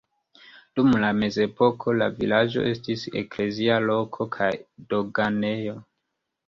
Dum la mezepoko la vilaĝo estis eklezia loko kaj doganejo.